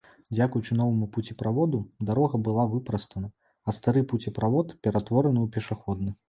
Дзякуючы новаму пуцеправоду дарога была выпрастана, а стары пуцеправод ператвораны ў пешаходны.